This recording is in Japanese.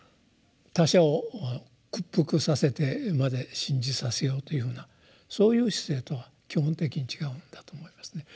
他者を屈服させてまで信じさせようというふうなそういう姿勢とは基本的に違うんだと思いますね。